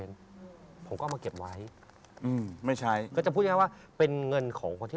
แต่เขาตัดได้มั้ยอันนี้อย่างนี้อย่างนี้